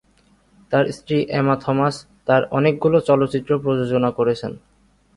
তার স্ত্রী Emma Thomas তার অনেকগুলো চলচ্চিত্র প্রযোজনা করেছেন।